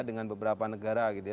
dengan beberapa negara gitu ya